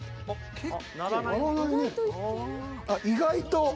あっ意外と。